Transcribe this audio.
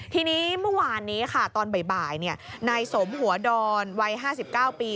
ทีนี้เมื่อวานนี้ค่ะตอนบ่ายนายสมหัวดอนวัย๕๙ปี